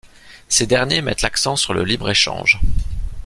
Ces derniers mettent l'accent sur le libre-échange.